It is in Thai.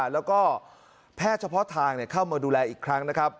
แล้วก็แพทย์เฉพาะทางเข้ามาดูแลอีกครั้งนะครับ